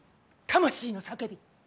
魂の叫び！